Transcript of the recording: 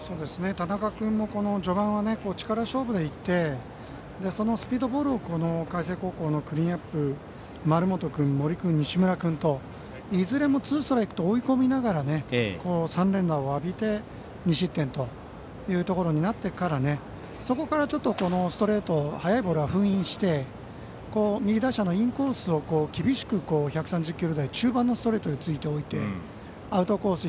田中君も序盤は力勝負でいってそのスピードボールをこの海星高校のクリーンナップ丸本君、森君、西村君といずれもツーストライクと追い込みながら３連打を浴びて２失点となってからちょっとストレート速いボールは封印して右打者のインコースを厳しく１３０キロ台中盤のストレートでついておいてアウトコース